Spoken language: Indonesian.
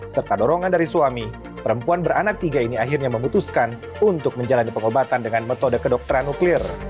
serta dorongan dari suami perempuan beranak tiga ini akhirnya memutuskan untuk menjalani pengobatan dengan metode kedokteran nuklir